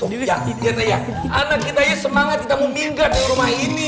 tunggu ya anak kita semangat kita mau minggah di rumah ini